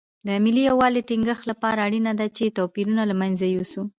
د ملي یووالي ټینګښت لپاره اړینه ده چې توپیرونه له منځه یوسو.